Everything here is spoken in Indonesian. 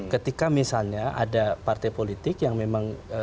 ketika misalnya ada partai politik yang memang